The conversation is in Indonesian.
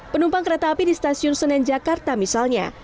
penumpang kereta api di stasiun senenjakarta misalnya